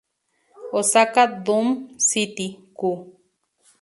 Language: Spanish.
Osaka Dome City Co., Ltd.